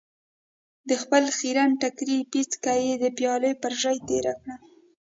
د خپل خيرن ټکري پيڅکه يې د پيالې پر ژۍ تېره کړه.